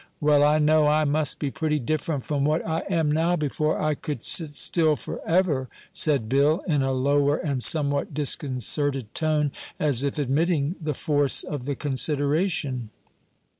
"Well, I know I must be pretty different from what I am now before I could sit still forever," said Bill, in a lower and somewhat disconcerted tone, as if admitting the force of the consideration.